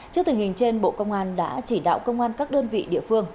trước tình hình trên bộ công an đã chỉ đạo công an các đơn vị địa phương